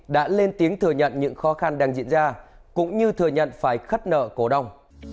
đã lên tiếng thừa nhận những khó khăn đang diễn ra cũng như thừa nhận phải khắt nợ cổ đông